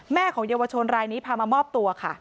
ของเยาวชนรายนี้พามามอบตัวค่ะ